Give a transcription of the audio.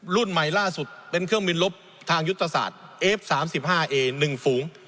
รุ่นใหม่ล่าสุดเป็นเครื่องบินลบทางยุทธศาสตร์เอฟสามสิบห้าเอหนึ่งฝูง